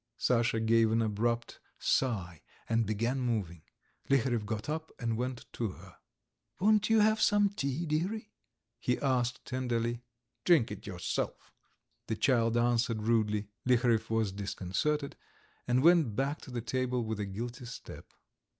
Sasha gave an abrupt sigh and began moving. Liharev got up and went to her. "Won't you have some tea, dearie?" he asked tenderly. "Drink it yourself," the child answered rudely. Liharev was disconcerted, and went back to the table with a guilty step.